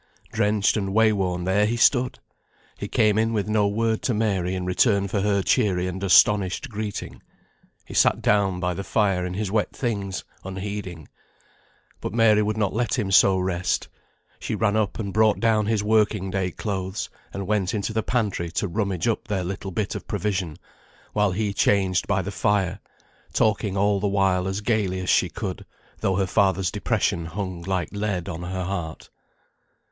Drenched and way worn, there he stood! He came in with no word to Mary in return for her cheery and astonished greeting. He sat down by the fire in his wet things, unheeding. But Mary would not let him so rest. She ran up and brought down his working day clothes, and went into the pantry to rummage up their little bit of provision while he changed by the fire, talking all the while as gaily as she could, though her father's depression hung like lead on her heart.